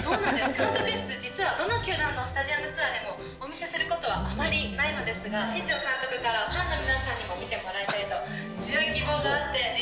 監督室、実はどの球団のスタジアムツアーでもお見せすることはあまりないのですが、新庄監督からファンの皆さんにも見てもらいたいと、強い希望があって。